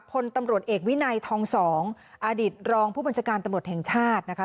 พลตำรวจเอกวินัยทองสองอดีตรองผู้บัญชาการตำรวจแห่งชาตินะคะ